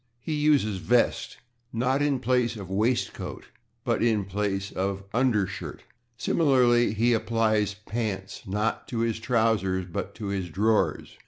He uses /vest/, not in place of /waistcoat/, but in place of /undershirt/. Similarly, he applies /pants/, not to his trousers, but to his drawers.